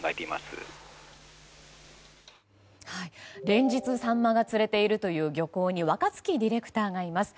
連日サンマが釣れているという漁港に若槻ディレクターがいます。